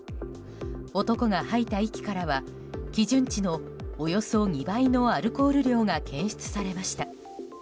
男が吐いた息からは基準値のおよそ２倍のアルコール量が検出されました。